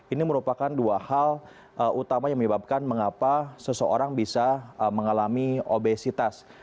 ini merupakan dua hal utama yang menyebabkan mengapa seseorang bisa mengalami obesitas